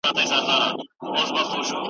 ځکه ژوند هغسي نه دی په ظاهره چي ښکاریږي .